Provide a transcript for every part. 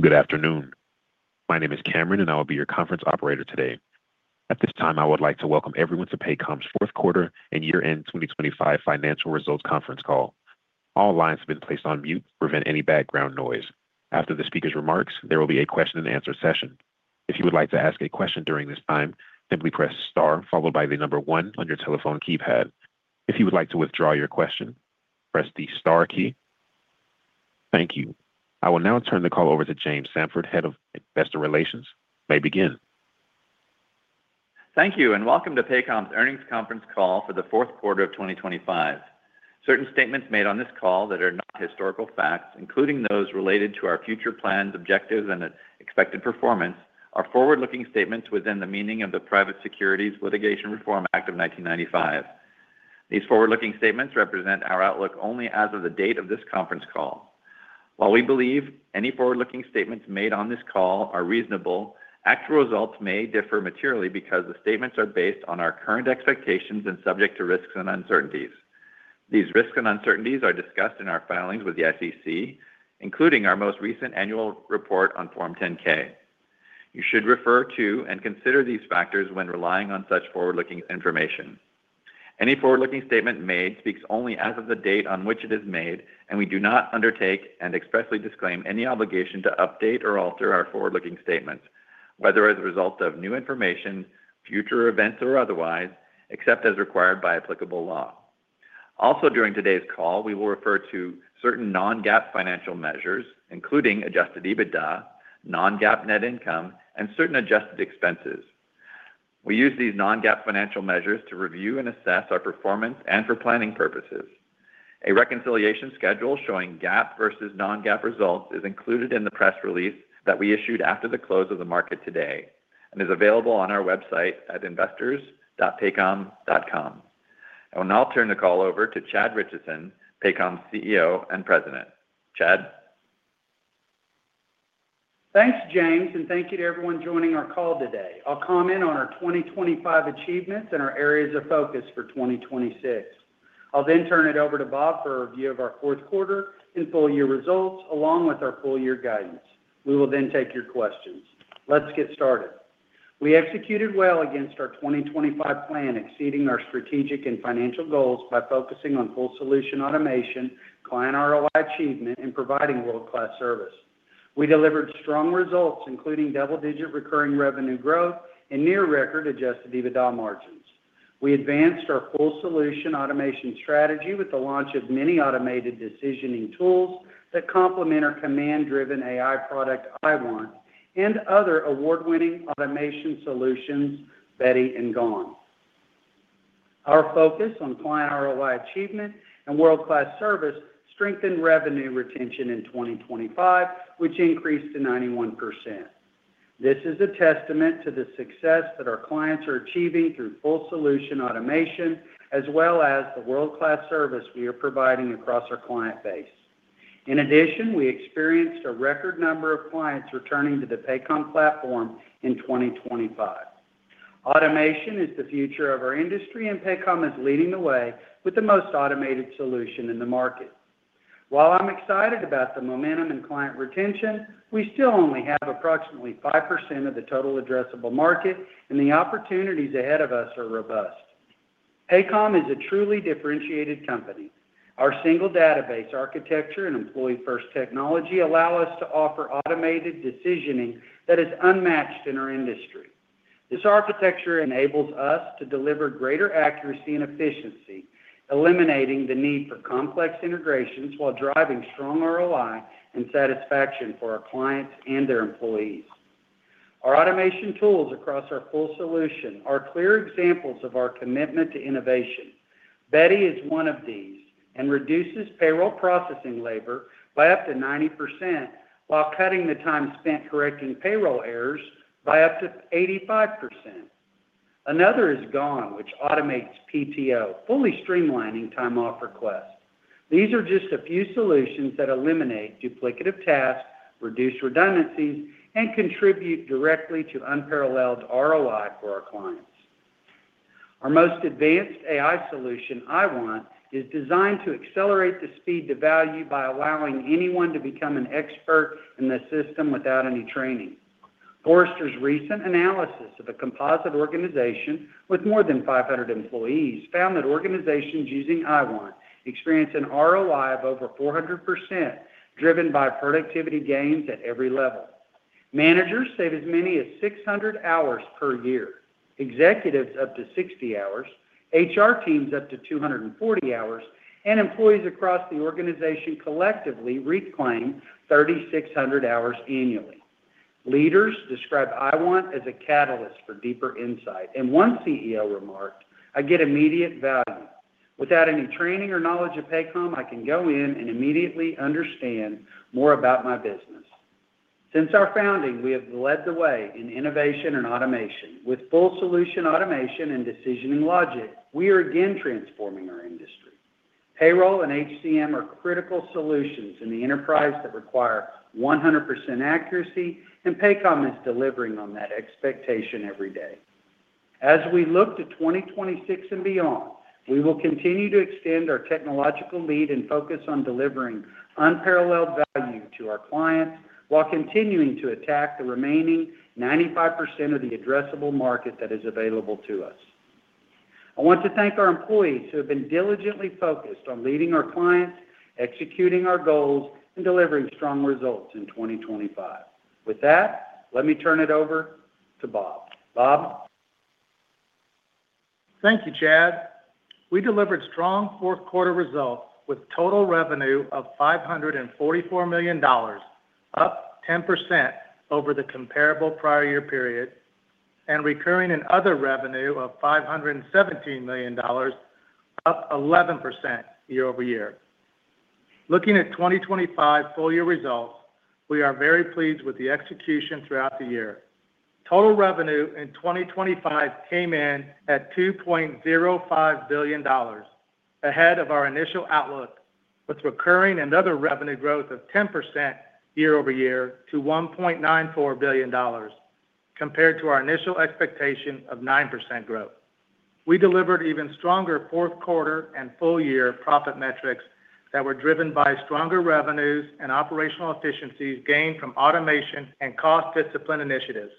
Good afternoon. My name is Cameron, and I will be your conference operator today. At this time, I would like to welcome everyone to Paycom's fourth quarter and year-end 2025 financial results conference call. All lines have been placed on mute to prevent any background noise. After the speaker's remarks, there will be a question and answer session. If you would like to ask a question during this time, simply press star followed by the number one on your telephone keypad. If you would like to withdraw your question, press the star key. Thank you. I will now turn the call over to James Samford, Head of Investor Relations. You may begin. Thank you, and welcome to Paycom's earnings conference call for the fourth quarter of 2025. Certain statements made on this call that are not historical facts, including those related to our future plans, objectives, and expected performance, are forward-looking statements within the meaning of the Private Securities Litigation Reform Act of 1995. These forward-looking statements represent our outlook only as of the date of this conference call. While we believe any forward-looking statements made on this call are reasonable, actual results may differ materially because the statements are based on our current expectations and subject to risks and uncertainties. These risks and uncertainties are discussed in our filings with the SEC, including our most recent annual report on Form 10-K. You should refer to and consider these factors when relying on such forward-looking information. Any forward-looking statement made speaks only as of the date on which it is made, and we do not undertake and expressly disclaim any obligation to update or alter our forward-looking statements, whether as a result of new information, future events, or otherwise, except as required by applicable law. Also, during today's call, we will refer to certain non-GAAP financial measures, including adjusted EBITDA, Non-GAAP net income, and certain adjusted expenses. We use these non-GAAP financial measures to review and assess our performance and for planning purposes. A reconciliation schedule showing GAAP versus non-GAAP results is included in the press release that we issued after the close of the market today and is available on our website at investors.paycom.com. I will now turn the call over to Chad Richison, Paycom's CEO and President. Chad? Thanks, James, and thank you to everyone joining our call today. I'll comment on our 2025 achievements and our areas of focus for 2026. I'll then turn it over to Bob for a review of our fourth quarter and full year results, along with our full year guidance. We will then take your questions. Let's get started. We executed well against our 2025 plan, exceeding our strategic and financial goals by focusing on full-solution automation, client ROI achievement, and providing world-class service. We delivered strong results, including double-digit recurring revenue growth and near-record adjusted EBITDA margins. We advanced our full-solution automation strategy with the launch of many automated decisioning tools that complement our command-driven AI product, IWant, and other award-winning automation solutions, Beti and GONE. Our focus on client ROI achievement and world-class service strengthened revenue retention in 2025, which increased to 91%. This is a testament to the success that our clients are achieving through full-solution automation, as well as the world-class service we are providing across our client base. In addition, we experienced a record number of clients returning to the Paycom platform in 2025. Automation is the future of our industry, and Paycom is leading the way with the most automated solution in the market. While I'm excited about the momentum in client retention, we still only have approximately 5% of the total addressable market, and the opportunities ahead of us are robust. Paycom is a truly differentiated company. Our single database architecture and employee-first technology allow us to offer automated decisioning that is unmatched in our industry. This architecture enables us to deliver greater accuracy and efficiency, eliminating the need for complex integrations while driving strong ROI and satisfaction for our clients and their employees. Our automation tools across our full-solution are clear examples of our commitment to innovation. Beti is one of these and reduces payroll processing labor by up to 90%, while cutting the time spent correcting payroll errors by up to 85%. Another is GONE, which automates PTO, fully streamlining time-off requests. These are just a few solutions that eliminate duplicative tasks, reduce redundancies, and contribute directly to unparalleled ROI for our clients. Our most advanced AI solution, IWant, is designed to accelerate the speed to value by allowing anyone to become an expert in the system without any training. Forrester's recent analysis of a composite organization with more than 500 employees found that organizations using IWant experience an ROI of over 400%, driven by productivity gains at every level. Managers save as many as 600 hours per year, executives up to 60 hours, HR teams up to 240 hours, and employees across the organization collectively reclaim 3,600 hours annually. Leaders describe IWant as a catalyst for deeper insight, and one CEO remarked, "I get immediate value. Without any training or knowledge of Paycom, I can go in and immediately understand more about my business." Since our founding, we have led the way in innovation and automation. With full-solution automation and decisioning logic, we are again transforming our industry. Payroll and HCM are critical solutions in the enterprise that require 100% accuracy, and Paycom is delivering on that expectation every day. As we look to 2026 and beyond, we will continue to extend our technological lead and focus on delivering unparalleled value to our clients, while continuing to attack the remaining 95% of the addressable market that is available to us. I want to thank our employees who have been diligently focused on leading our clients, executing our goals, and delivering strong results in 2025. With that, let me turn it over to Bob. Bob? Thank you, Chad. We delivered strong fourth quarter results with total revenue of $544 million, up 10% over the comparable prior year period, and recurring and other revenue of $517 million, up 11% year-over-year. Looking at 2025 full year results, we are very pleased with the execution throughout the year. Total revenue in 2025 came in at $2.05 billion, ahead of our initial outlook, with recurring and other revenue growth of 10% year-over-year to $1.94 billion, compared to our initial expectation of 9% growth. We delivered even stronger fourth quarter and full year profit metrics that were driven by stronger revenues and operational efficiencies gained from automation and cost discipline initiatives.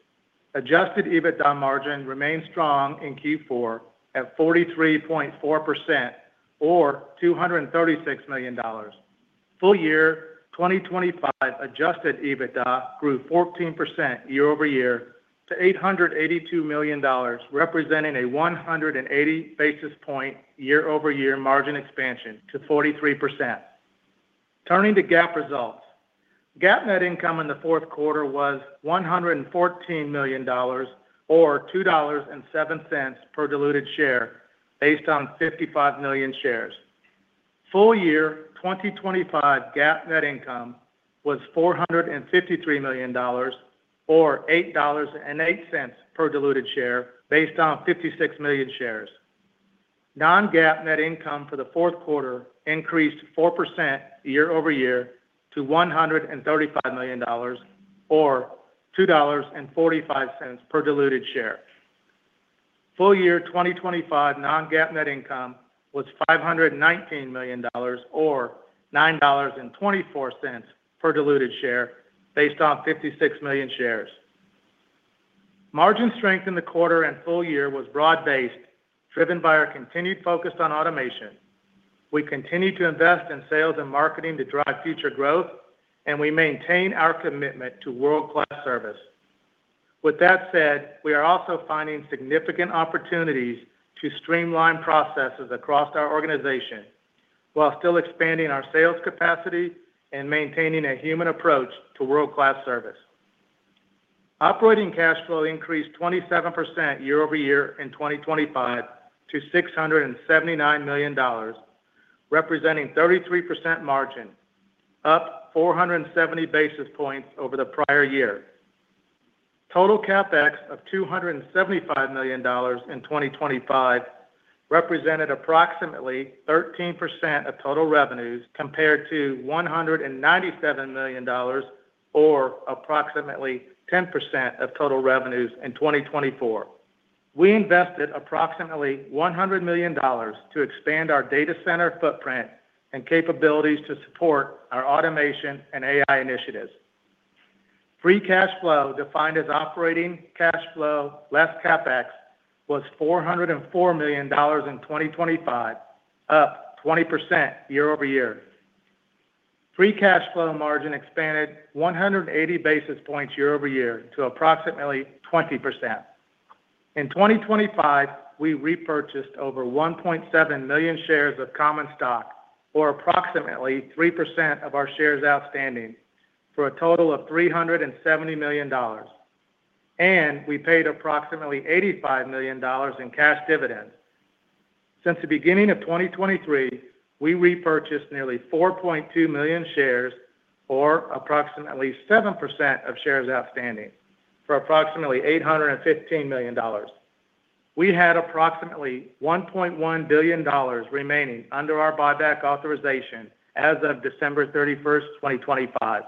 Adjusted EBITDA margin remained strong in Q4 at 43.4% or $236 million. Full year 2025 adjusted EBITDA grew 14% year-over-year to $882 million, representing a 180 basis point year-over-year margin expansion to 43%. Turning to GAAP results. GAAP net income in the fourth quarter was $114 million, or $2.07 per diluted share, based on 55 million shares. Full year 2025 GAAP net income was $453 million, or $8.08 per diluted share, based on 56 million shares. Non-GAAP net income for the fourth quarter increased 4% year-over-year to $135 million, or $2.45 per diluted share. Full year 2025 non-GAAP net income was $519 million, or $9.24 per diluted share, based on 56 million shares. Margin strength in the quarter and full year was broad-based, driven by our continued focus on automation. We continue to invest in sales and marketing to drive future growth, and we maintain our commitment to world-class service. With that said, we are also finding significant opportunities to streamline processes across our organization, while still expanding our sales capacity and maintaining a human approach to world-class service. Operating cash flow increased 27% year-over-year in 2025 to $679 million, representing 33% margin, up 470 basis points over the prior year. Total CapEx of $275 million in 2025 represented approximately 13% of total revenues, compared to $197 million or approximately 10% of total revenues in 2024. We invested approximately $100 million to expand our data center footprint and capabilities to support our automation and AI initiatives. Free cash flow, defined as operating cash flow less CapEx, was $404 million in 2025, up 20% year-over-year. Free cash flow margin expanded 180 basis points year-over-year to approximately 20%. In 2025, we repurchased over 1.7 million shares of common stock, or approximately 3% of our shares outstanding, for a total of $370 million, and we paid approximately $85 million in cash dividends. Since the beginning of 2023, we repurchased nearly 4.2 million shares, or approximately 7% of shares outstanding, for approximately $815 million. We had approximately $1.1 billion remaining under our buyback authorization as of December 31, 2025,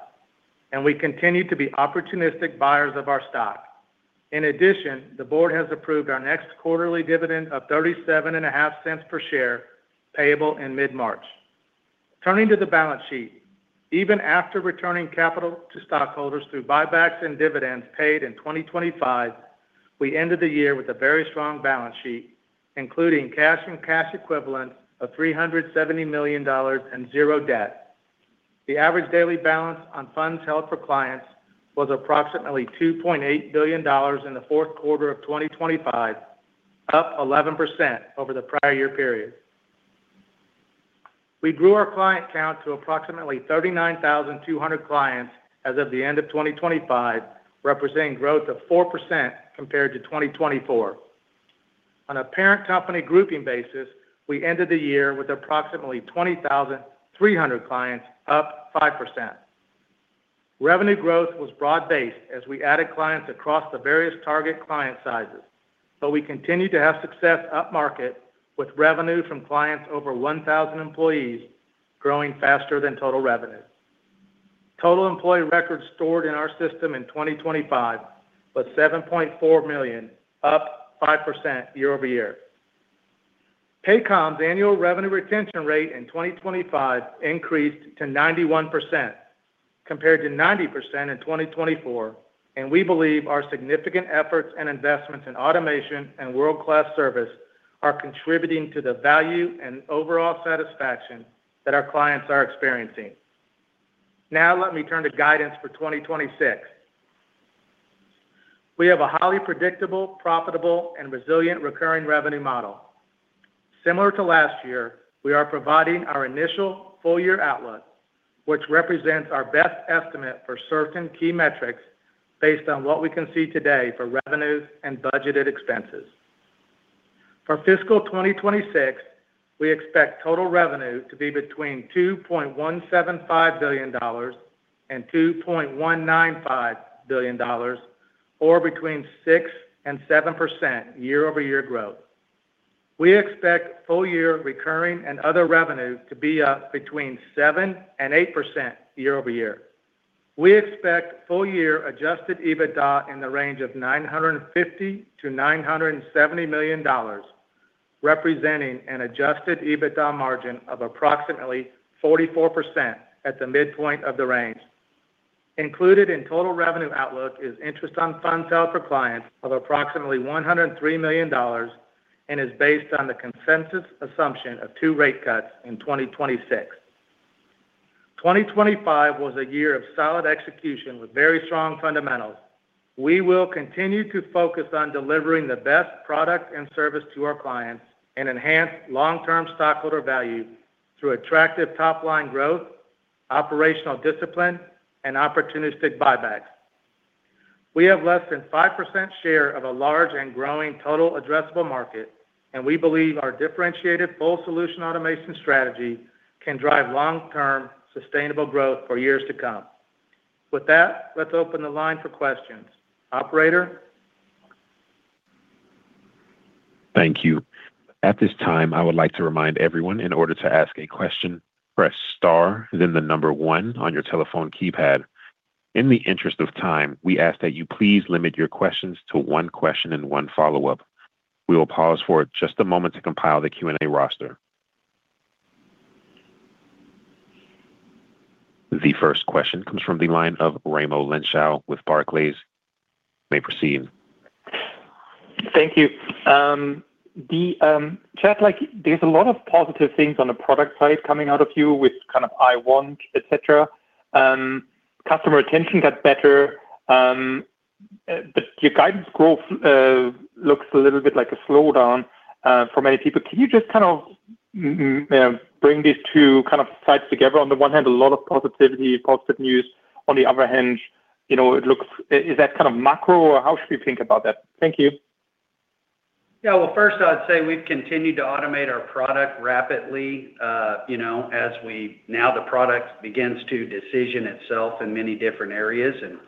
and we continue to be opportunistic buyers of our stock. In addition, the board has approved our next quarterly dividend of $0.375 per share, payable in mid-March. Turning to the balance sheet, even after returning capital to stockholders through buybacks and dividends paid in 2025, we ended the year with a very strong balance sheet, including cash and cash equivalents of $370 million and zero debt. The average daily balance on funds held for clients was approximately $2.8 billion in the fourth quarter of 2025, up 11% over the prior year period. We grew our client count to approximately 39,200 clients as of the end of 2025, representing growth of 4% compared to 2024. On a parent company grouping basis, we ended the year with approximately 20,300 clients, up 5%. Revenue growth was broad-based as we added clients across the various target client sizes, but we continued to have success upmarket, with revenue from clients over 1,000 employees growing faster than total revenue. Total employee records stored in our system in 2025 was 7.4 million, up 5% year-over-year. Paycom's annual revenue retention rate in 2025 increased to 91%, compared to 90% in 2024, and we believe our significant efforts and investments in automation and world-class service are contributing to the value and overall satisfaction that our clients are experiencing. Now, let me turn to guidance for 2026. We have a highly predictable, profitable, and resilient recurring revenue model. Similar to last year, we are providing our initial full-year outlook, which represents our best estimate for certain key metrics based on what we can see today for revenues and budgeted expenses. For fiscal 2026, we expect total revenue to be between $2.175 billion and $2.195 billion, or between 6% and 7% year-over-year growth. We expect full year recurring and other revenues to be up between 7% and 8% year over year. We expect full year adjusted EBITDA in the range of $950 million-$970 million, representing an adjusted EBITDA margin of approximately 44% at the midpoint of the range. Included in total revenue outlook is interest on funds held for clients of approximately $103 million, and is based on the consensus assumption of two rate cuts in 2026. 2025 was a year of solid execution with very strong fundamentals. We will continue to focus on delivering the best product and service to our clients and enhance long-term stockholder value through attractive top-line growth, operational discipline, and opportunistic buybacks. We have less than 5% share of a large and growing total addressable market, and we believe our differentiated full-solution automation strategy can drive long-term sustainable growth for years to come. With that, let's open the line for questions. Operator? Thank you. At this time, I would like to remind everyone, in order to ask a question, press star, then the number one on your telephone keypad. In the interest of time, we ask that you please limit your questions to one question and one follow-up. We will pause for just a moment to compile the Q&A roster. The first question comes from the line of Raimo Lenschow with Barclays. You may proceed. Thank you. The Chad, like, there's a lot of positive things on the product side coming out of you with kind of IWant, et cetera. Customer retention got better, but your guidance growth looks a little bit like a slowdown, for many people. Can you just kind of bring these two kind of sides together? On the one hand, a lot of positivity, positive news. On the other hand, you know, it looks... Is that kind of macro, or how should we think about that? Thank you. Yeah, well, first, I'd say we've continued to automate our product rapidly, you know, as we now the product begins to decision itself in many different areas, and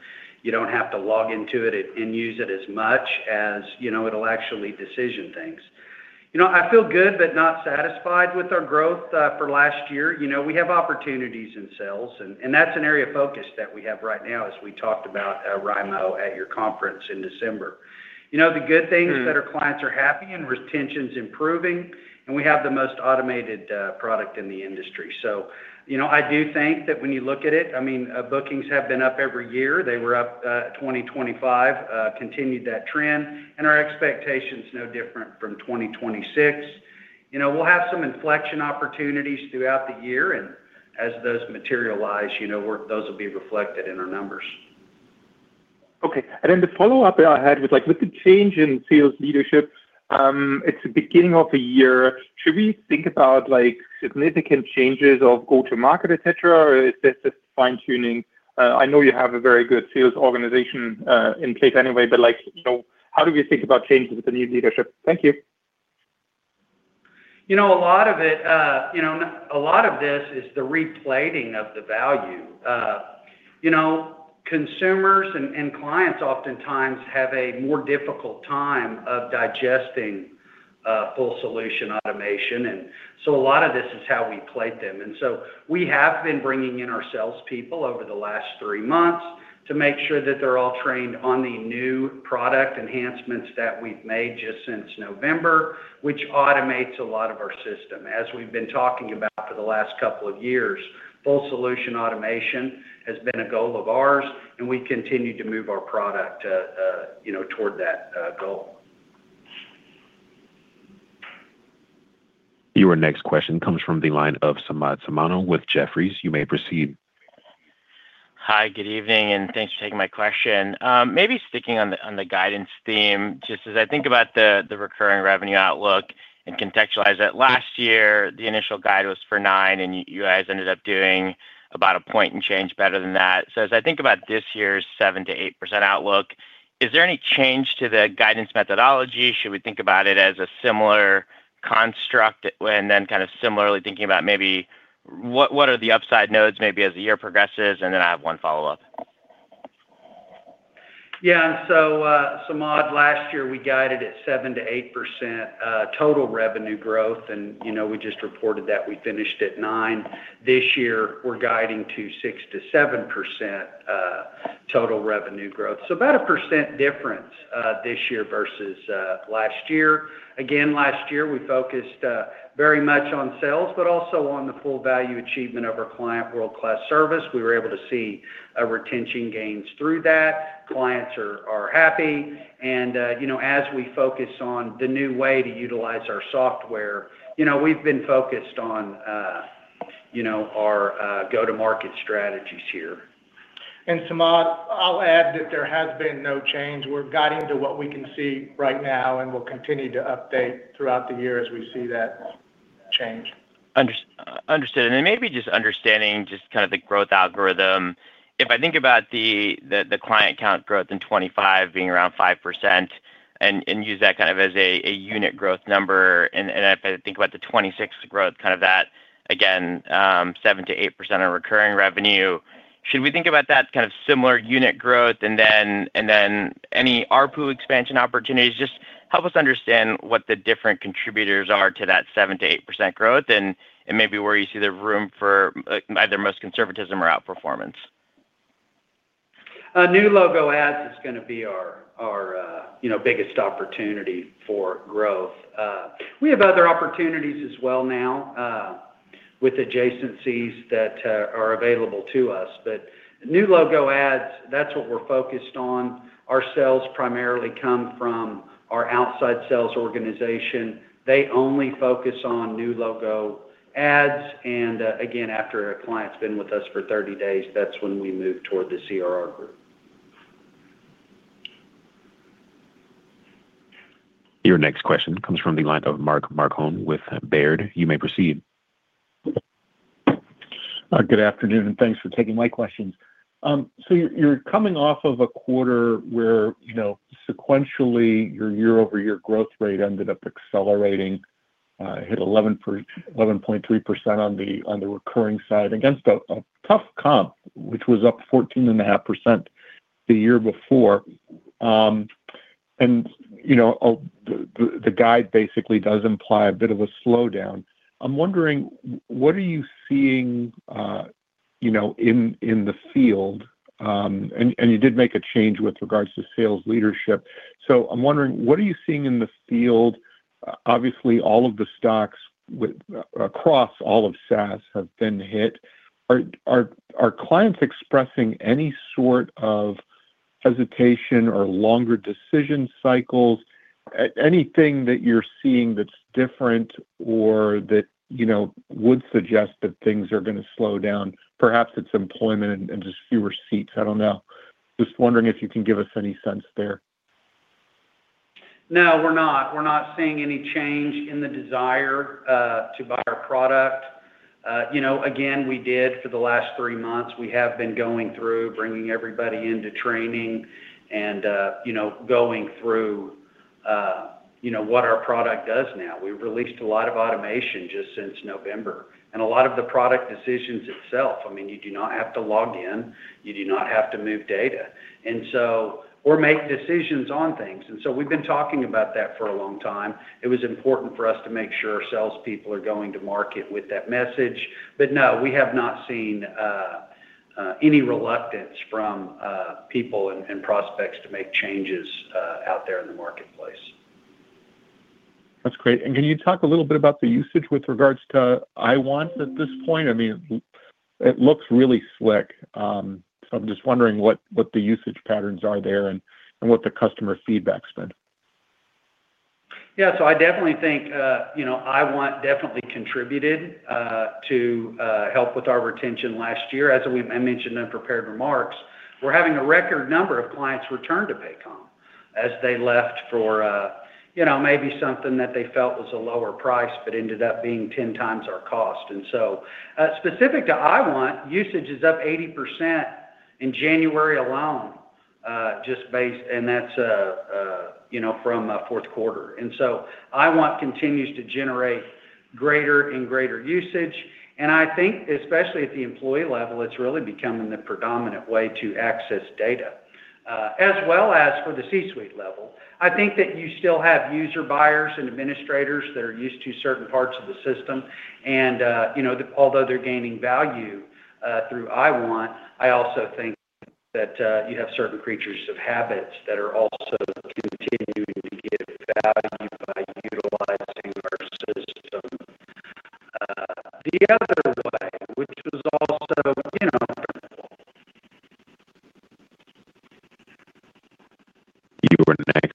you don't have to log into it and use it as much as, you know, it'll actually decision things. You know, I feel good but not satisfied with our growth for last year. You know, we have opportunities in sales, and that's an area of focus that we have right now, as we talked about, Raimo, at your conference in December. You know, the good things that our clients are happy and retention's improving, and we have the most automated product in the industry. So, you know, I do think that when you look at it, I mean, bookings have been up every year. They were up 2025, continued that trend, and our expectation's no different from 2026. You know, we'll have some inflection opportunities throughout the year, and as those materialize, you know, those will be reflected in our numbers. Okay, and then the follow-up I had was, like, with the change in sales leadership, it's the beginning of the year, should we think about, like, significant changes of go-to-market, et cetera, or is this just fine-tuning? I know you have a very good sales organization in place anyway, but, like, so how do we think about changes with the new leadership? Thank you. You know, a lot of it, you know, a lot of this is the replating of the value. You know, consumers and, and clients oftentimes have a more difficult time of digesting full-solution automation, and so a lot of this is how we plate them. And so we have been bringing in our salespeople over the last three months to make sure that they're all trained on the new product enhancements that we've made just since November, which automates a lot of our system. As we've been talking about for the last couple of years, full-solution automation has been a goal of ours, and we continue to move our product, you know, toward that goal. Your next question comes from the line of Samad Samana with Jefferies. You may proceed. Hi, good evening, and thanks for taking my question. Maybe sticking on the guidance theme, just as I think about the recurring revenue outlook and contextualize it. Last year, the initial guide was for 9%, and you guys ended up doing about a point and change better than that. So as I think about this year's 7%-8% outlook, is there any change to the guidance methodology? Should we think about it as a similar construct, and then kind of similarly thinking about maybe what are the upside nodes, maybe as the year progresses? And then I have one follow-up. Yeah, so, Samad, last year, we guided at 7%-8% total revenue growth, and, you know, we just reported that we finished at 9%. This year, we're guiding to 6%-7% total revenue growth. So about a percent difference this year versus last year. Again, last year, we focused very much on sales, but also on the full value achievement of our client world-class service. We were able to see a retention gains through that. Clients are happy, and, you know, as we focus on the new way to utilize our software, you know, we've been focused on our go-to-market strategies here. Samad, I'll add that there has been no change. We're guiding to what we can see right now, and we'll continue to update throughout the year as we see that change. Understood. And then maybe just understanding just kind of the growth algorithm. If I think about the client count growth in 2025 being around 5% and use that kind of as a unit growth number, and if I think about the 2026 growth, kind of that, again, 7%-8% of recurring revenue, should we think about that kind of similar unit growth and then any ARPU expansion opportunities? Just help us understand what the different contributors are to that 7%-8% growth and maybe where you see the room for either most conservatism or outperformance. New logo adds is gonna be our, our, you know, biggest opportunity for growth. We have other opportunities as well now, with adjacencies that are available to us. But new logo adds, that's what we're focused on. Our sales primarily come from our outside sales organization. They only focus on new logo adds, and, again, after a client's been with us for 30 days, that's when we move toward the CRR group. Your next question comes from the line of Mark Marcon with Baird. You may proceed. Good afternoon, and thanks for taking my questions. So you're coming off of a quarter where, you know, sequentially, your year-over-year growth rate ended up accelerating, hit 11.3% on the recurring side against a tough comp, which was up 14.5% the year before. And, you know, the guide basically does imply a bit of a slowdown. I'm wondering, what are you seeing, you know, in the field? And you did make a change with regards to sales leadership. So I'm wondering, what are you seeing in the field? Obviously, all of the stocks across all of SaaS have been hit. Are clients expressing any sort of hesitation or longer decision cycles? Anything that you're seeing that's different or that, you know, would suggest that things are gonna slow down? Perhaps it's employment and just fewer seats, I don't know. Just wondering if you can give us any sense there. No, we're not. We're not seeing any change in the desire to buy our product. You know, again, we did for the last three months, we have been going through, bringing everybody into training and, you know, going through, you know, what our product does now. We've released a lot of automation just since November, and a lot of the product decisions itself, I mean, you do not have to log in, you do not have to move data, and so, or make decisions on things. And so we've been talking about that for a long time. It was important for us to make sure our salespeople are going to market with that message. But no, we have not seen any reluctance from people and prospects to make changes out there in the marketplace. That's great. And can you talk a little bit about the usage with regards to IWant at this point? I mean, it looks really slick. So I'm just wondering what, what the usage patterns are there and, and what the customer feedback's been? Yeah, so I definitely think, you know, IWant definitely contributed to help with our retention last year. As I mentioned in prepared remarks, we're having a record number of clients return to Paycom as they left for, you know, maybe something that they felt was a lower price, but ended up being 10x our cost. And so, specific to IWant, usage is up 80% in January alone, just based, and that's, you know, from fourth quarter. And so IWant continues to generate greater and greater usage, and I think, especially at the employee level, it's really becoming the predominant way to access data, as well as for the C-suite level. I think that you still have user buyers and administrators that are used to certain parts of the system, and, you know, although they're gaining value through IWant, I also think that you have certain creatures of habits that are also continuing to get value by utilizing our system, the other way, which is also, you know- Your next question goes to Steven. Steven, you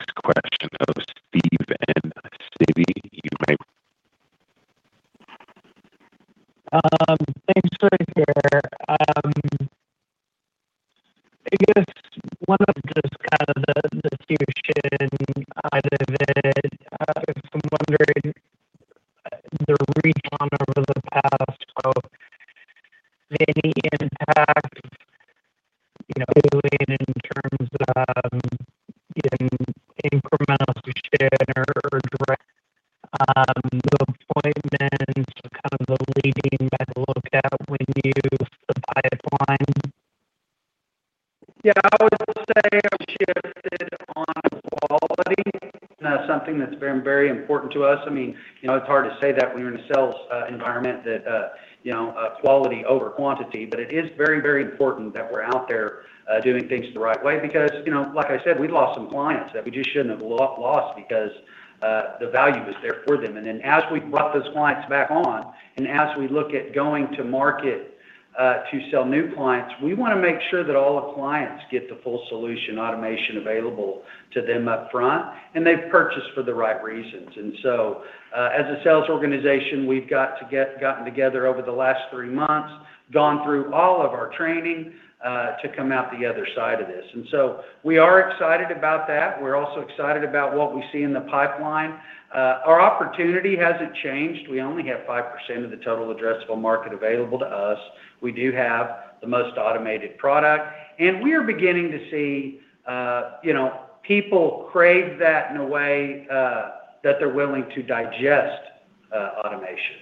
to sell new clients, we wanna make sure that all the clients get the full-solution automation available to them upfront, and they've purchased for the right reasons. And so, as a sales organization, we've gotten together over the last three months, gone through all of our training, to come out the other side of this. And so we are excited about that. We're also excited about what we see in the pipeline. Our opportunity hasn't changed. We only have 5% of the total addressable market available to us. We do have the most automated product, and we are beginning to see, you know, people crave that in a way, that they're willing to digest, automation.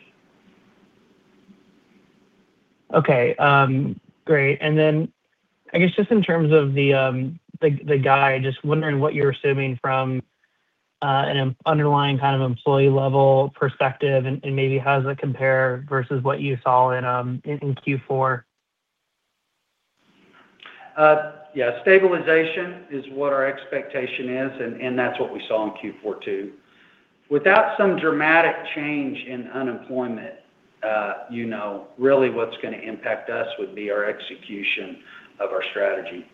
Okay, great! And then, I guess, just in terms of the guide, just wondering what you're assuming from an underlying kind of employee-level perspective and maybe how does it compare versus what you saw in Q4? Yeah, stabilization is what our expectation is, and that's what we saw in Q4 too. Without some dramatic change in unemployment, you know, really what's gonna impact us would be our execution of our strategy.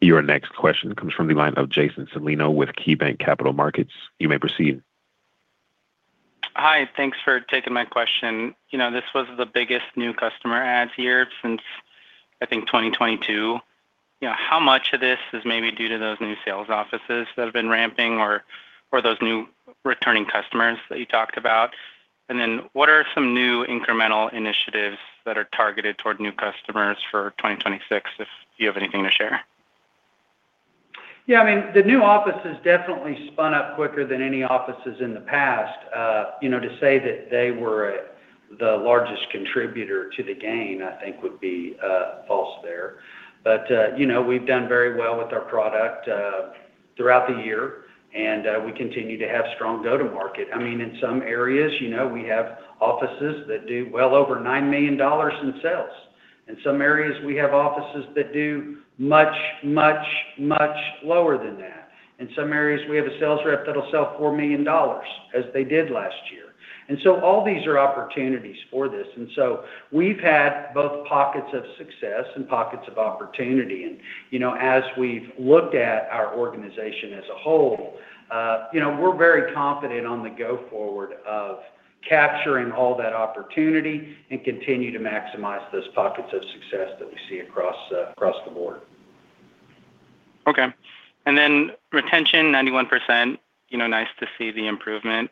Your next question comes from the line of Jason Celino with KeyBanc Capital Markets. You may proceed. Hi, thanks for taking my question. You know, this was the biggest new customer adds year since, I think, 2022. You know, how much of this is maybe due to those new sales offices that have been ramping or, or those new returning customers that you talked about? And then, what are some new incremental initiatives that are targeted toward new customers for 2026, if you have anything to share? Yeah, I mean, the new offices definitely spun up quicker than any offices in the past. You know, to say that they were the largest contributor to the gain, I think would be false there. But you know, we've done very well with our product throughout the year, and we continue to have strong go-to-market. I mean, in some areas, you know, we have offices that do well over $9 million in sales. In some areas, we have offices that do much, much, much lower than that. In some areas, we have a sales rep that'll sell $4 million, as they did last year. And so all these are opportunities for this, and so we've had both pockets of success and pockets of opportunity. You know, as we've looked at our organization as a whole, you know, we're very confident on the go forward of capturing all that opportunity and continue to maximize those pockets of success that we see across the board. Okay. Then retention, 91%, you know, nice to see the improvement.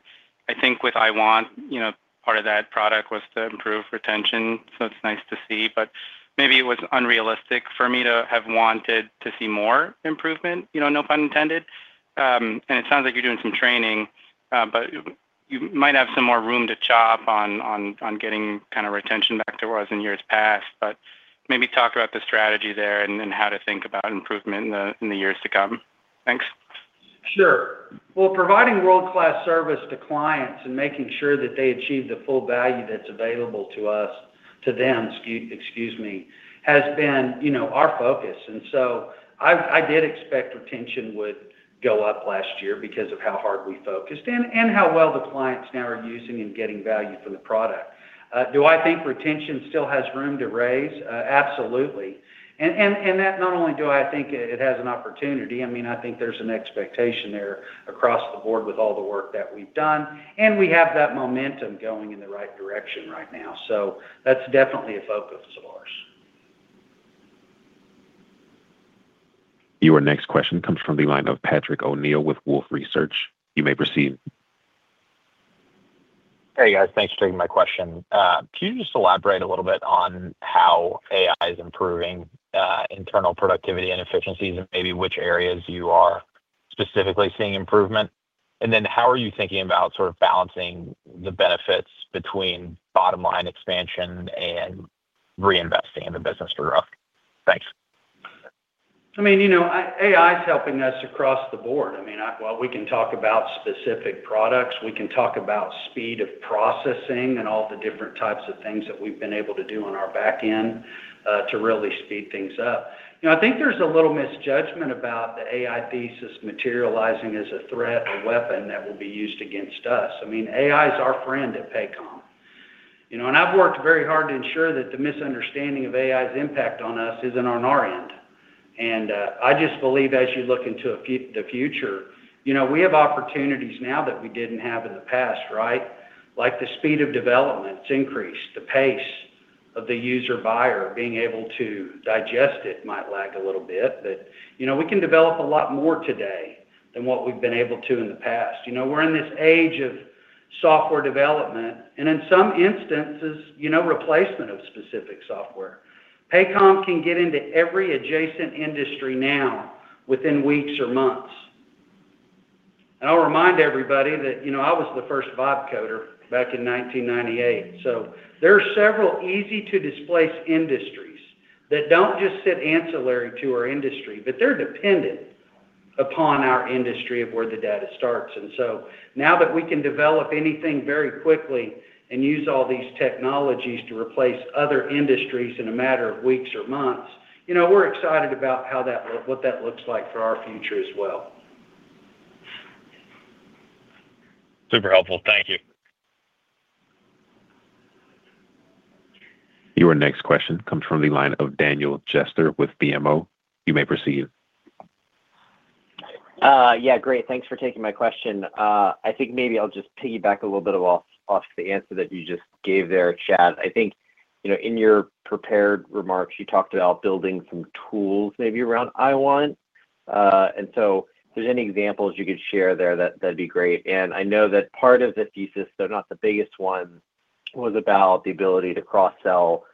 I think with IWant, you know, part of that product was to improve retention, so it's nice to see, but maybe it was unrealistic for me to have wanted to see more improvement, you know, no pun intended. And it sounds like you're doing some training, but you might have some more room to chop on getting kinda retention back to where it was in years past. But maybe talk about the strategy there and then how to think about improvement in the years to come? Thanks. Sure. Well, providing world-class service to clients and making sure that they achieve the full value that's available to us, to them, excuse me, has been, you know, our focus. And so I did expect retention would go up last year because of how hard we focused and how well the clients now are using and getting value from the product. Do I think retention still has room to raise? Absolutely. And that not only do I think it has an opportunity, I mean, I think there's an expectation there across the board with all the work that we've done, and we have that momentum going in the right direction right now. So that's definitely a focus of ours. Your next question comes from the line of Patrick O'Neill with Wolfe Research. You may proceed. Hey, guys. Thanks for taking my question. Can you just elaborate a little bit on how AI is improving internal productivity and efficiencies, and maybe which areas you are specifically seeing improvement? And then, how are you thinking about sort of balancing the benefits between bottom line expansion and reinvesting in the business for growth? Thanks. I mean, you know, AI is helping us across the board. I mean, well, we can talk about specific products, we can talk about speed of processing and all the different types of things that we've been able to do on our back end, to really speed things up. You know, I think there's a little misjudgment about the AI thesis materializing as a threat or weapon that will be used against us. I mean, AI is our friend at Paycom. You know, and I've worked very hard to ensure that the misunderstanding of AI's impact on us isn't on our end. And, I just believe as you look into the future, you know, we have opportunities now that we didn't have in the past, right? Like the speed of development, it's increased. The pace of the user buyer being able to digest it might lag a little bit, but, you know, we can develop a lot more today than what we've been able to in the past. You know, we're in this age of software development, and in some instances, you know, replacement of specific software. Paycom can get into every adjacent industry now within weeks or months. And I'll remind everybody that, you know, I was the first Founder back in 1998. So there are several easy-to-displace industries that don't just sit ancillary to our industry, but they're dependent upon our industry of where the data starts. And so now that we can develop anything very quickly and use all these technologies to replace other industries in a matter of weeks or months, you know, we're excited about how that look, what that looks like for our future as well. Super helpful. Thank you. Your next question comes from the line of Daniel Jester with BMO. You may proceed. Yeah, great. Thanks for taking my question. I think maybe I'll just piggyback a little bit off the answer that you just gave there, Chad. I think, you know, in your prepared remarks, you talked about building some tools maybe around IWant. And so if there's any examples you could share there, that'd be great. And I know that part of the thesis, though not the biggest one, was about the ability to cross-sell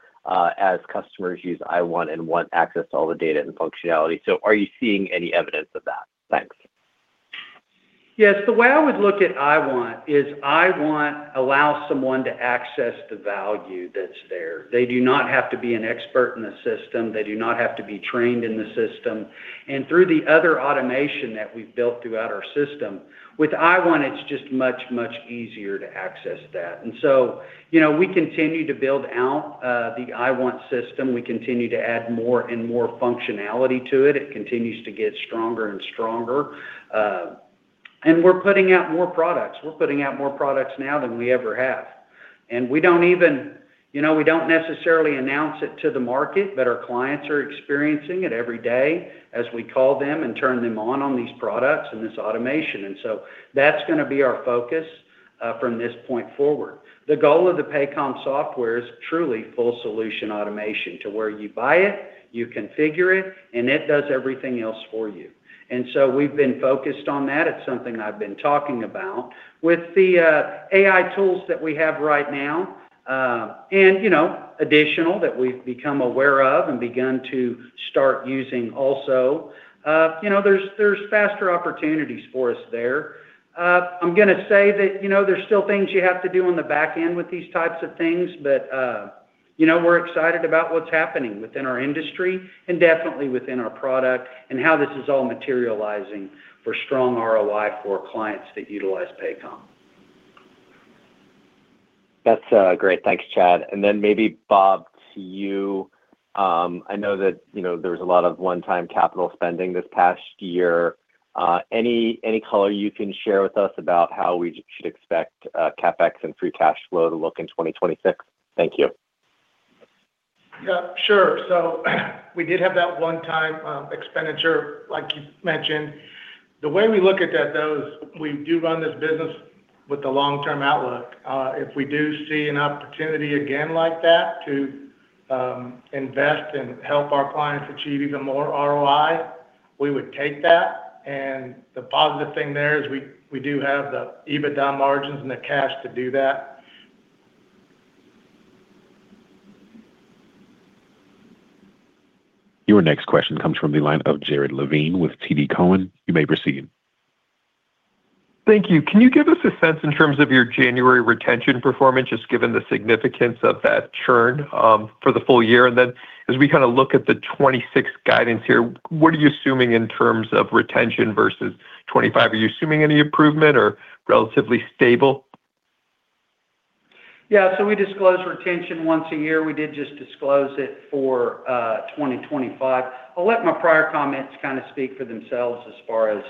as customers use IWant and want access to all the data and functionality. So are you seeing any evidence of that? Thanks. Yes. The way I would look at IWant is IWant allows someone to access the value that's there. They do not have to be an expert in the system. They do not have to be trained in the system. And through the other automation that we've built throughout our system, with IWant, it's just much, much easier to access that. And so, you know, we continue to build out the IWant system. We continue to add more and more functionality to it. It continues to get stronger and stronger, and we're putting out more products. We're putting out more products now than we ever have, and we don't even. You know, we don't necessarily announce it to the market, but our clients are experiencing it every day as we call them and turn them on, on these products and this automation. That's gonna be our focus from this point forward. The goal of the Paycom Software is truly full-solution automation, to where you buy it, you configure it, and it does everything else for you. We've been focused on that. It's something I've been talking about. With the AI tools that we have right now, and, you know, additional that we've become aware of and begun to start using also, you know, there's faster opportunities for us there. I'm gonna say that, you know, there's still things you have to do on the back end with these types of things, but, you know, we're excited about what's happening within our industry and definitely within our product and how this is all materializing for strong ROI for clients that utilize Paycom. That's great. Thanks, Chad. Then maybe Bob, to you. I know that, you know, there was a lot of one-time capital spending this past year. Any color you can share with us about how we should expect CapEx and free cash flow to look in 2026? Thank you. Yeah, sure. So we did have that one-time expenditure, like you mentioned. The way we look at that, though, is we do run this business with the long-term outlook. If we do see an opportunity again like that to invest and help our clients achieve even more ROI, we would take that, and the positive thing there is we, we do have the EBITDA margins and the cash to do that. Your next question comes from the line of Jared Levine with TD Cowen. You may proceed. Thank you. Can you give us a sense in terms of your January retention performance, just given the significance of that churn, for the full year? And then as we kind of look at the 26 guidance here, what are you assuming in terms of retention versus 25? Are you assuming any improvement or relatively stable? Yeah. So we disclose retention once a year. We did just disclose it for 2025. I'll let my prior comments kind of speak for themselves as far as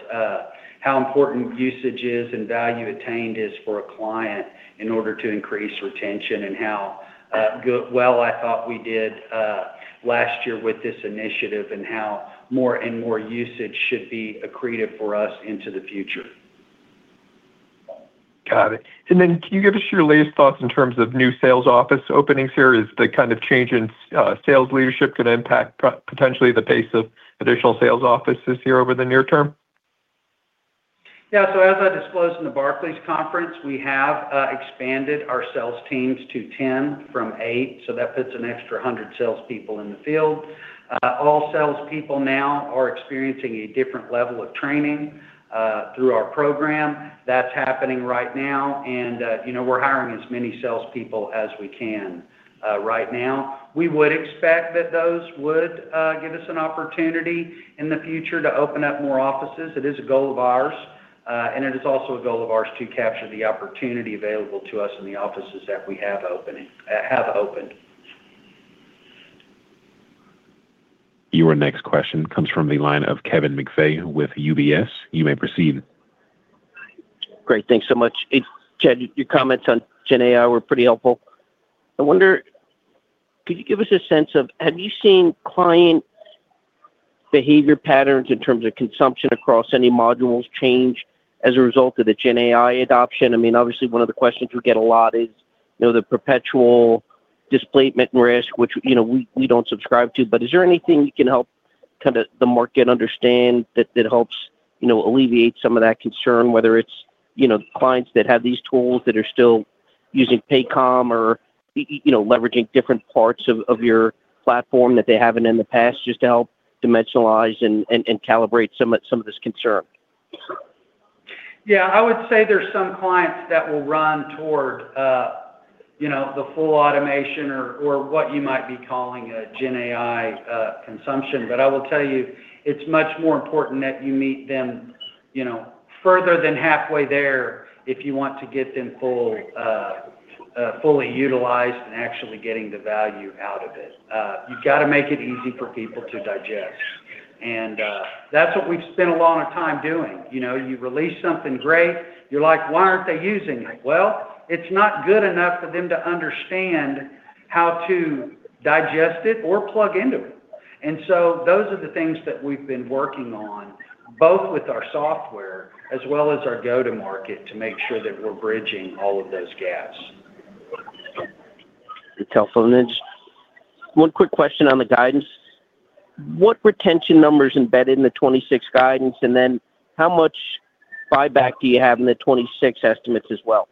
how important usage is and value attained is for a client in order to increase retention and how good, well, I thought we did last year with this initiative and how more and more usage should be accretive for us into the future. Got it. And then, can you give us your latest thoughts in terms of new sales office openings here? Is the kind of change in sales leadership going to impact potentially the pace of additional sales offices here over the near term? Yeah. So as I disclosed in the Barclays conference, we have expanded our sales teams to 10 from eight, so that puts an extra 100 salespeople in the field. All salespeople now are experiencing a different level of training through our program. That's happening right now, and you know, we're hiring as many salespeople as we can right now. We would expect that those would give us an opportunity in the future to open up more offices. It is a goal of ours, and it is also a goal of ours to capture the opportunity available to us in the offices that we have opening, have opened. Your next question comes from the line of Kevin McVeigh with UBS. You may proceed. Great. Thanks so much. Chad, your comments on GenAI were pretty helpful. I wonder, could you give us a sense of... Have you seen client behavior patterns in terms of consumption across any modules change as a result of the GenAI adoption? I mean, obviously, one of the questions we get a lot is, you know, the perpetual displacement risk, which, you know, we don't subscribe to, but is there anything you can help kind of the market understand that helps, you know, alleviate some of that concern? Whether it's, you know, clients that have these tools that are still using Paycom or, you know, leveraging different parts of your platform that they haven't in the past, just to help dimensionalize and calibrate some of this concern. Yeah, I would say there's some clients that will run toward, you know, the full automation or what you might be calling a GenAI consumption. But I will tell you, it's much more important that you meet them, you know, further than halfway there if you want to get them fully utilized and actually getting the value out of it. You've got to make it easy for people to digest, and that's what we've spent a lot of time doing. You know, you release something great, you're like: Why aren't they using it? Well, it's not good enough for them to understand how to digest it or plug into it. And so those are the things that we've been working on, both with our software as well as our go-to-market, to make sure that we're bridging all of those gaps. One quick question on the guidance. What retention numbers embedded in the 2026 guidance, and then how much buyback do you have in the 2026 estimates as well?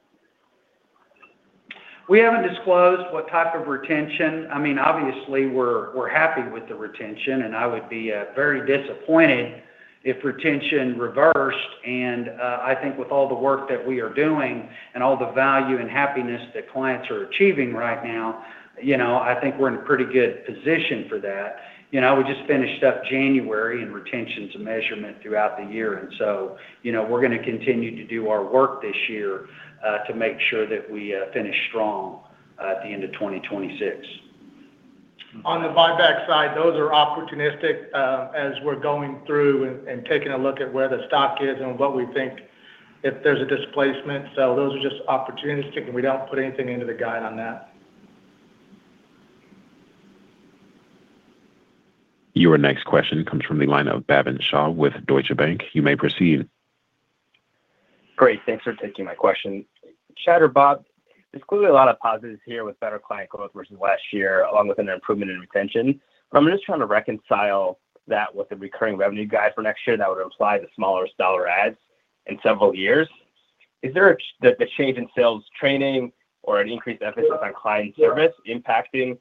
We haven't disclosed what type of retention. I mean, obviously, we're, we're happy with the retention, and I would be very disappointed if retention reversed. And I think with all the work that we are doing and all the value and happiness that clients are achieving right now, you know, I think we're in a pretty good position for that. You know, we just finished up January, and retention's a measurement throughout the year, and so, you know, we're going to continue to do our work this year to make sure that we finish strong at the end of 2026. On the buyback side, those are opportunistic as we're going through and taking a look at where the stock is and what we think if there's a displacement. Those are just opportunistic, and we don't put anything into the guide on that. Your next question comes from the line of Bhavin Shah with Deutsche Bank. You may proceed. Great, thanks for taking my question. Chad or Bob, there's clearly a lot of positives here with better client growth versus last year, along with an improvement in retention. But I'm just trying to reconcile that with the recurring revenue guide for next year that would imply the smallest dollar adds in several years. Is there a change in sales training or an increased emphasis on client service impacting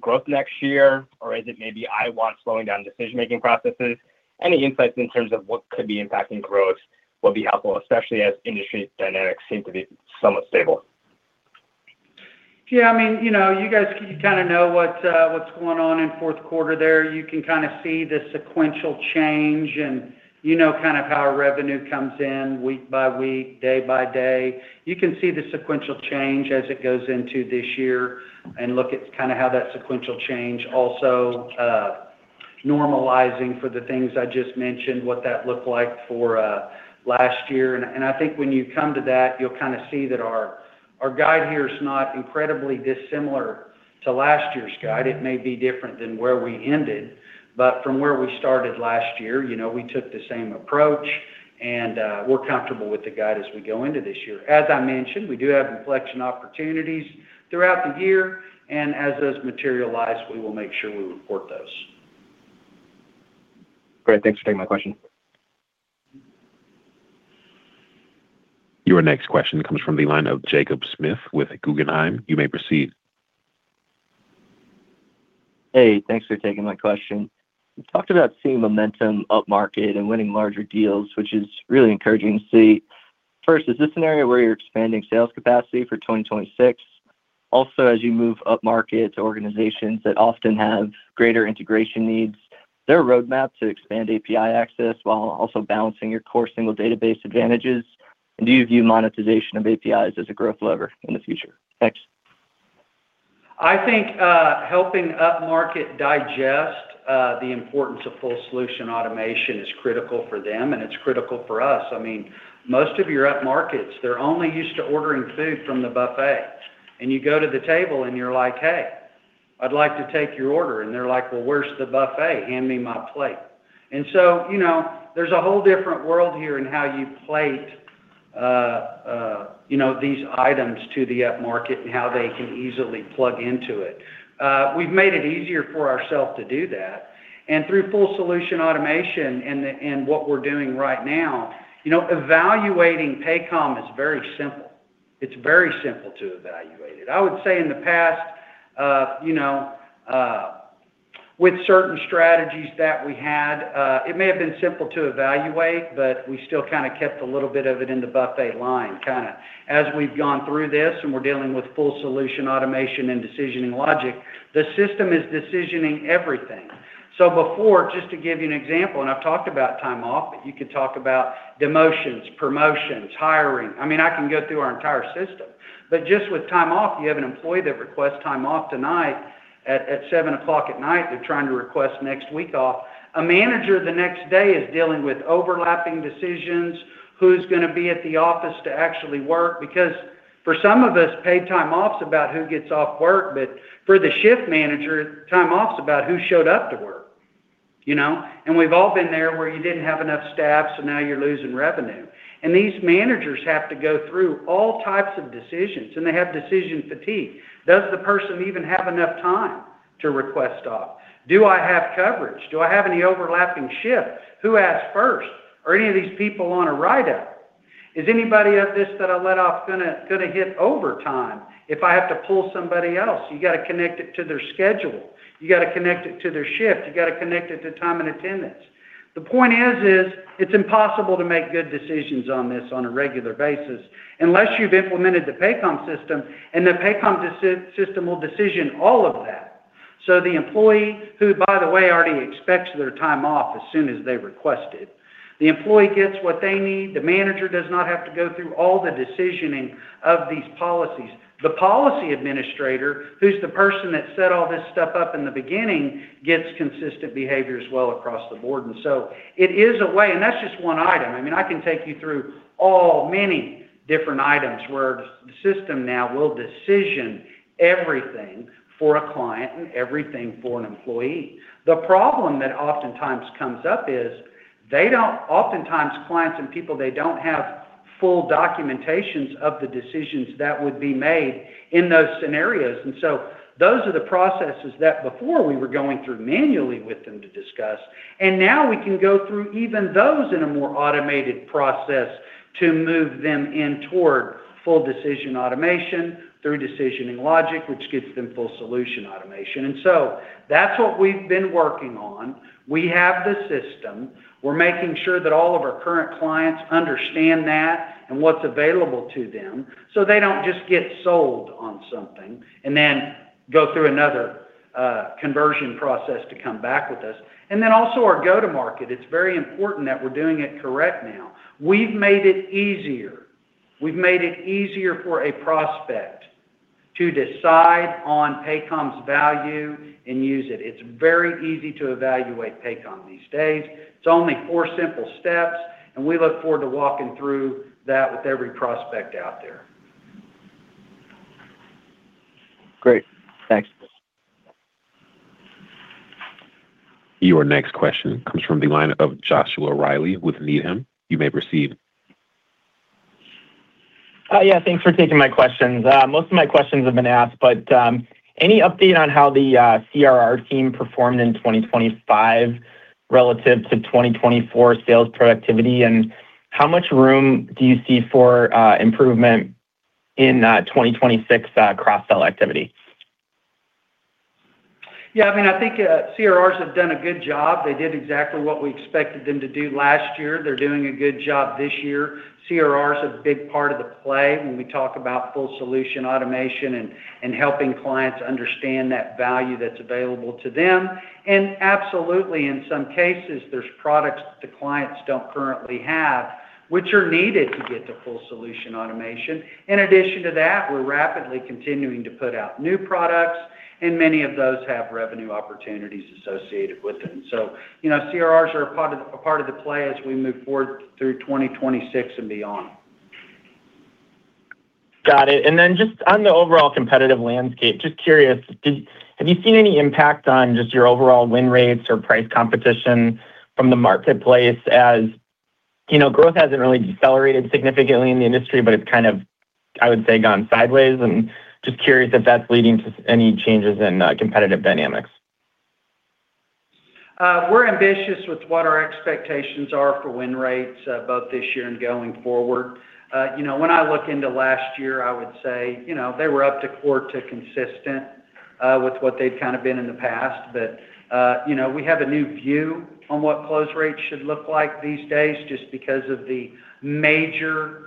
growth next year? Or is it maybe IWant slowing down decision-making processes? Any insights in terms of what could be impacting growth will be helpful, especially as industry dynamics seem to be somewhat stable? Yeah, I mean, you know, you guys kind of know what what's going on in fourth quarter there. You can kind of see the sequential change, and you know kind of how our revenue comes in week by week, day by day. You can see the sequential change as it goes into this year and look at kind of how that sequential change also, normalizing for the things I just mentioned, what that looked like for last year. And I think when you come to that, you'll kind of see that our guide here is not incredibly dissimilar to last year's guide. It may be different than where we ended, but from where we started last year, you know, we took the same approach, and we're comfortable with the guide as we go into this year. As I mentioned, we do have inflection opportunities throughout the year, and as those materialize, we will make sure we report those. Great. Thanks for taking my question. Your next question comes from the line of Jacob Smith with Guggenheim. You may proceed. Hey, thanks for taking my question. You talked about seeing momentum upmarket and winning larger deals, which is really encouraging to see. First, is this an area where you're expanding sales capacity for 2026? Also, as you move upmarket to organizations that often have greater integration needs, is there a roadmap to expand API access while also balancing your core single database advantages? And do you view monetization of APIs as a growth lever in the future? Thanks. I think, helping upmarket digest, the importance of full-solution automation is critical for them, and it's critical for us. I mean, most of your upmarkets, they're only used to ordering food from the buffet, and you go to the table and you're like: "Hey, I'd like to take your order." And they're like: "Well, where's the buffet? Hand me my plate." And so, you know, there's a whole different world here in how you plate, you know, these items to the upmarket and how they can easily plug into it. We've made it easier for ourselves to do that, and through full-solution automation and the-- and what we're doing right now, you know, evaluating Paycom is very simple. It's very simple to evaluate it. I would say in the past, you know, with certain strategies that we had, it may have been simple to evaluate, but we still kind of kept a little bit of it in the buffet line, kind of. As we've gone through this, and we're dealing with full-solution automation and decisioning logic, the system is decisioning everything. So before, just to give you an example, and I've talked about time off, but you could talk about demotions, promotions, hiring. I mean, I can go through our entire system. But just with time off, you have an employee that requests time off tonight at 7:00 P.M., they're trying to request next week off. A manager, the next day, is dealing with overlapping decisions, who's gonna be at the office to actually work, because for some of us, paid time off's about who gets off work, but for the shift manager, time off's about who showed up to work. You know, and we've all been there where you didn't have enough staff, so now you're losing revenue. These managers have to go through all types of decisions, and they have decision fatigue. Does the person even have enough time to request off? Do I have coverage? Do I have any overlapping shifts? Who asks first? Are any of these people on a ride-out? Is anybody of this that I let off gonna, gonna hit overtime if I have to pull somebody else? You got to connect it to their schedule. You got to connect it to their shift. You got to connect it to time and attendance. The point is, it's impossible to make good decisions on this on a regular basis unless you've implemented the Paycom system, and the Paycom decision system will decision all of that. So the employee, who, by the way, already expects their time off as soon as they request it, the employee gets what they need. The manager does not have to go through all the decisioning of these policies. The policy administrator, who's the person that set all this stuff up in the beginning, gets consistent behavior as well across the board. And so it is a way. And that's just one item. I mean, I can take you through all, many different items where the system now will decision everything for a client and everything for an employee. The problem that oftentimes comes up is they don't, oftentimes clients and people, they don't have full documentations of the decisions that would be made in those scenarios. And so those are the processes that before we were going through manually with them to discuss, and now we can go through even those in a more automated process to move them in toward full decision automation, through decisioning logic, which gets them full-solution automation. And so that's what we've been working on. We have the system. We're making sure that all of our current clients understand that and what's available to them, so they don't just get sold on something and then go through another conversion process to come back with us. And then also our go-to-market. It's very important that we're doing it correct now. We've made it easier. We've made it easier for a prospect to decide on Paycom's value and use it. It's very easy to evaluate Paycom these days. It's only four simple steps, and we look forward to walking through that with every prospect out there. Great. Thanks. Your next question comes from the line of Joshua Reilly with Needham. You may proceed. Yeah, thanks for taking my questions. Most of my questions have been asked, but any update on how the CRR team performed in 2025 relative to 2024 sales productivity? And how much room do you see for improvement in 2026 cross-sell activity? Yeah, I mean, I think, CRRs have done a good job. They did exactly what we expected them to do last year. They're doing a good job this year. CRR is a big part of the play when we talk about full-solution automation and helping clients understand that value that's available to them. And absolutely, in some cases, there's products the clients don't currently have, which are needed to get to full-solution automation. In addition to that, we're rapidly continuing to put out new products, and many of those have revenue opportunities associated with them. So you know, CRRs are a part of the play as we move forward through 2026 and beyond. Got it. And then just on the overall competitive landscape, just curious, did... have you seen any impact on just your overall win rates or price competition from the marketplace? As you know, growth hasn't really decelerated significantly in the industry, but it's kind of, I would say, gone sideways. I'm just curious if that's leading to any changes in competitive dynamics. We're ambitious with what our expectations are for win rates, both this year and going forward. You know, when I look into last year, I would say, you know, they were up to par consistent with what they've kind of been in the past. But, you know, we have a new view on what close rates should look like these days just because of the major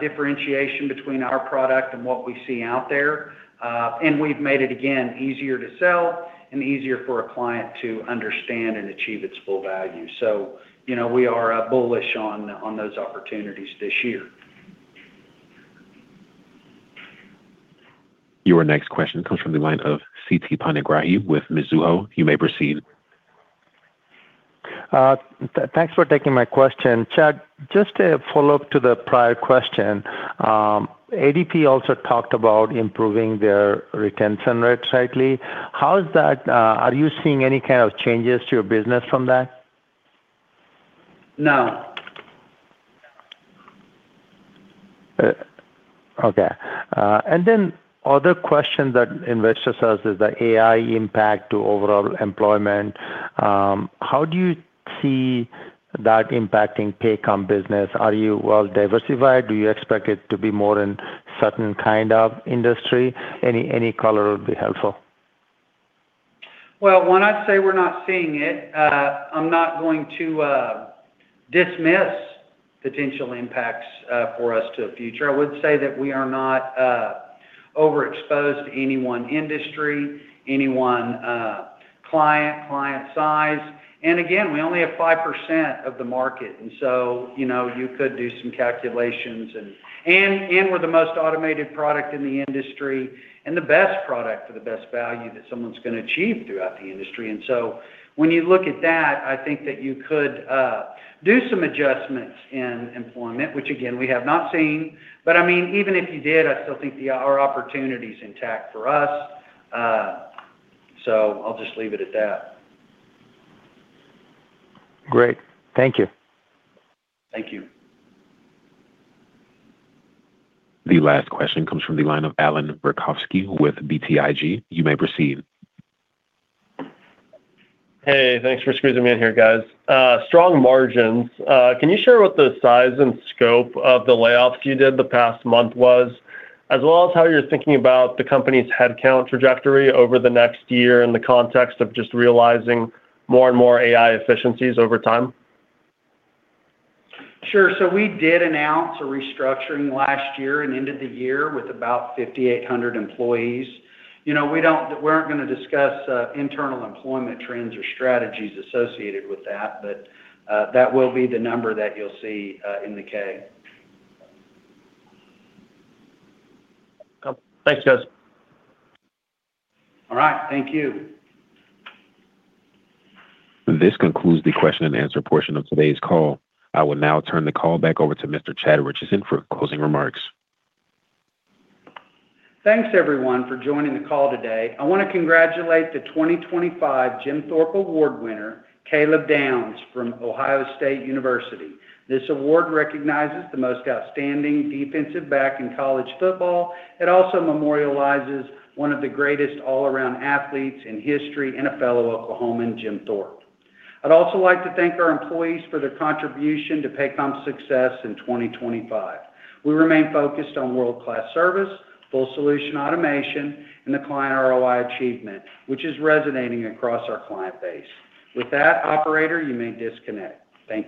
differentiation between our product and what we see out there. And we've made it, again, easier to sell and easier for a client to understand and achieve its full value. So, you know, we are bullish on, on those opportunities this year. Your next question comes from the line of Siti Panigrahi with Mizuho. You may proceed. Thanks for taking my question. Chad, just a follow-up to the prior question. ADP also talked about improving their retention rates slightly. How is that... are you seeing any kind of changes to your business from that? No. Okay. And then other question that investors ask is the AI impact to overall employment. How do you see that impacting Paycom business? Are you well diversified? Do you expect it to be more in certain kind of industry? Any color would be helpful. Well, when I say we're not seeing it, I'm not going to dismiss potential impacts for us to the future. I would say that we are not overexposed to any one industry, any one client, client size. And again, we only have 5% of the market, and so, you know, you could do some calculations. And, and, and we're the most automated product in the industry and the best product for the best value that someone's going to achieve throughout the industry. And so when you look at that, I think that you could do some adjustments in employment, which, again, we have not seen. But I mean, even if you did, I still think the our opportunity is intact for us. So I'll just leave it at that. Great. Thank you. Thank you. The last question comes from the line of Alan Verkhovski with BTIG. You may proceed. Hey, thanks for squeezing me in here, guys. Strong margins. Can you share what the size and scope of the layoffs you did the past month was, as well as how you're thinking about the company's headcount trajectory over the next year in the context of just realizing more and more AI efficiencies over time? Sure. So we did announce a restructuring last year and ended the year with about 5,800 employees. You know, we aren't gonna discuss internal employment trends or strategies associated with that, but that will be the number that you'll see in the Form 10-K. Thanks, guys. All right. Thank you. This concludes the question and answer portion of today's call. I will now turn the call back over to Mr. Chad Richison for closing remarks. Thanks, everyone, for joining the call today. I want to congratulate the 2025 Jim Thorpe Award winner, Caleb Downs, from Ohio State University. This award recognizes the most outstanding defensive back in college football. It also memorializes one of the greatest all-around athletes in history and a fellow Oklahoman, Jim Thorpe. I'd also like to thank our employees for their contribution to Paycom's success in 2025. We remain focused on world-class service, full-solution automation, and the client ROI achievement, which is resonating across our client base. With that, operator, you may disconnect. Thank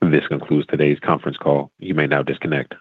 you. This concludes today's conference call. You may now disconnect.